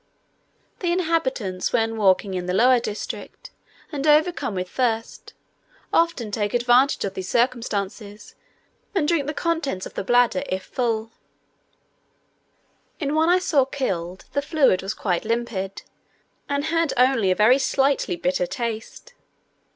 The inhabitants, when walking in the lower district, and overcome with thirst, often take advantage of this circumstance, and drink the contents of the bladder if full: in one I saw killed, the fluid was quite limpid, and had only a very slightly bitter taste.